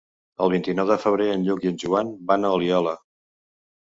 El vint-i-nou de febrer en Lluc i en Joan van a Oliola.